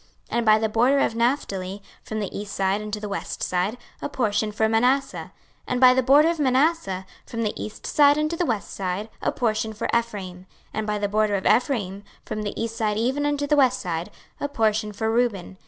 26:048:004 And by the border of Naphtali, from the east side unto the west side, a portion for Manasseh. 26:048:005 And by the border of Manasseh, from the east side unto the west side, a portion for Ephraim. 26:048:006 And by the border of Ephraim, from the east side even unto the west side, a portion for Reuben.